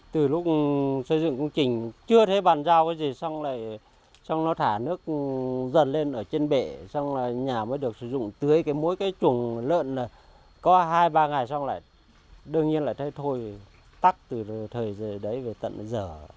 từ lúc xây dựng công trình chưa thấy bàn giao cái gì xong lại xong nó thả nước dần lên ở trên bệ xong là nhà mới được sử dụng tưới cái mỗi cái chủng lợn là có hai ba ngày xong lại đương nhiên lại thấy thôi tắt từ thời giờ đấy về tận giờ